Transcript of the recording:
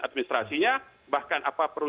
administrasinya bahkan apa perlu